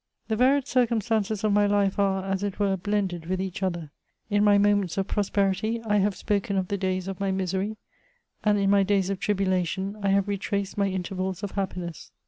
The varied circumstances of my hfe are, as it were,, blended with each other: — in my moments of pros perity, I have spoken of the days of my misery ; and in my days of tribulation, I have retraced my intervals of happiness.